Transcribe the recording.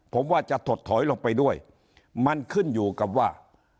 ผมว่าจะถดถอยลงไปด้วยมันขึ้นอยู่กับว่า